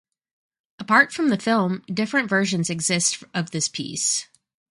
Apart from the film, different versions exist of this piece.